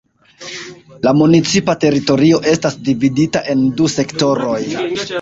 La municipa teritorio estas dividita en du sektoroj.